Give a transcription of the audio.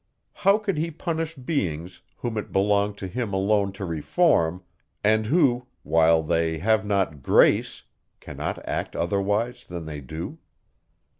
How could he punish beings, whom it belonged to him alone to reform, and who, while they have not grace, cannot act otherwise than they do?